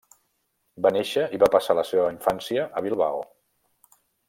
Va néixer i va passar la seva infància a Bilbao.